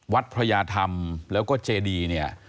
วัดพระยาธรรมแล้วก็เจดี